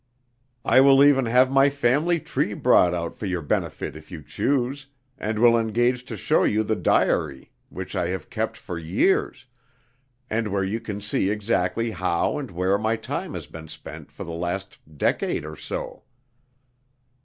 "I will even have my family tree brought out for your benefit if you choose, and will engage to show you the diary which I have kept for years, and where you can see exactly how and where my time has been spent for the last decade or so.